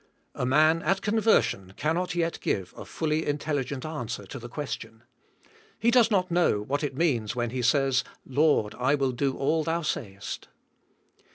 A man, at conversion, cannot yet give a fully intelli gent answer to the question. He does not know what it means when he says. Lord, I will do all Thou sayest.